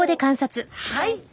はい！